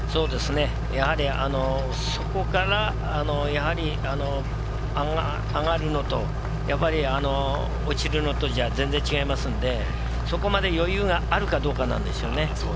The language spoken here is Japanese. やはりそこから上がるのと落ちるのとでは全然違いますんで、そこまで余裕があるかどうかなんですよね。